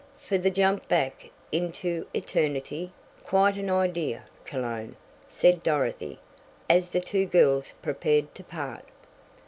"For the jump back into eternity? Quite an idea, Cologne," said Dorothy, as the two girls prepared to part.